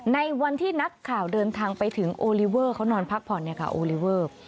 ในวันที่นักข่าวเดินทางไปถึงโอลิเวอร์เขานอนพักผ่อนโอลิเวอร์